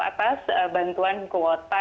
atas bantuan kuota